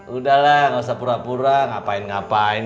udah lah nggak usah pura pura ngapain ngapain